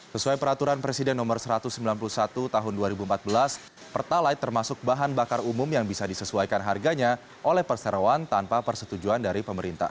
sesuai peraturan presiden no satu ratus sembilan puluh satu tahun dua ribu empat belas pertalite termasuk bahan bakar umum yang bisa disesuaikan harganya oleh perseroan tanpa persetujuan dari pemerintah